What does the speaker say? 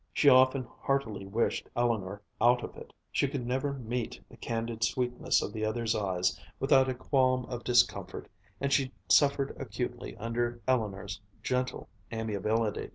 She often heartily wished Eleanor out of it. She could never meet the candid sweetness of the other's eyes without a qualm of discomfort, and she suffered acutely under Eleanor's gentle amiability.